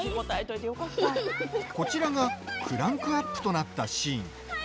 こちらがクランクアップとなったシーン。